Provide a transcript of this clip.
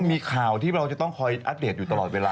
มีข่าวที่เราจะต้องคอยอัปเดตอยู่ตลอดเวลา